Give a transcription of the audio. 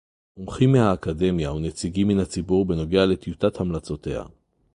מומחים מהאקדמיה ונציגים מן הציבור בנוגע לטיוטת המלצותיה